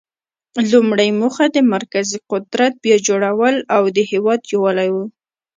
لومړۍ موخه د مرکزي قدرت بیا جوړول او د هیواد یووالی و.